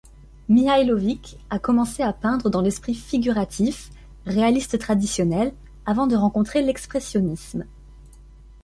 Mihailovic a commencé à peindre dans l'esprit figuratif, réaliste traditionnel, avant de rencontrer l'expressionnisme.